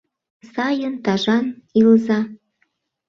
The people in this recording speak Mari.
Сайын, тажан илыза.